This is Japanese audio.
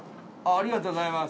ありがとうございます。